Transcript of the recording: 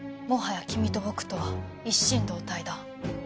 もはや君と僕とは一心同体だ。